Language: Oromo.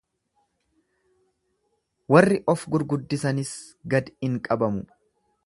Warri of gurguddisanis gad in qabamu.